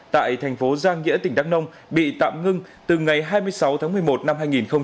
tại thành phố giang nghĩa tỉnh đắc nông bị tạm ngưng từ ngày hai mươi sáu tháng một mươi một năm hai nghìn hai mươi ba